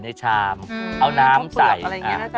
เบียบอะไรอย่างนี้นะคะ